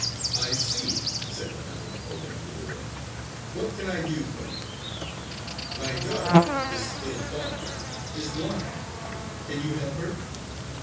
"I see," said the hunter opening the door. "What can I do for you?" "My daughter, this little fawn here, is blind. Can you help her?"